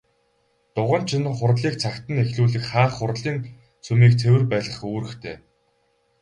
Дуганч нь хурлыг цагт нь эхлүүлэх, хаах, хурлын сүмийг цэвэр байлгах үүрэгтэй.